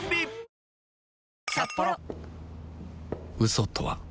嘘とは